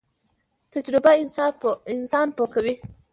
تجربه انسان پوه کوي